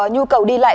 nhu cầu đi lại